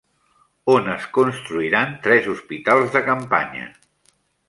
On es construiran tres hospitals de campanya?